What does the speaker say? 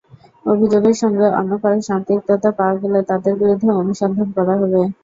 অভিযোগের সঙ্গে অন্য কারও সম্পৃক্ততা পাওয়া গেলে তাঁদের বিরুদ্ধেও অনুসন্ধান করা হবে।